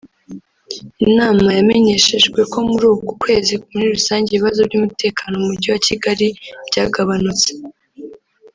Inama yamenyeshejwe ko muri uku kwezi muri rusange ibibazo by’umutekano mu Mujyi wa Kigali byagabanyutse